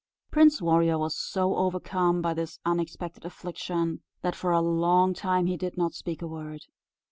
Prince Warrior was so overcome by this unexpected affliction, that for a long time he did not speak a word.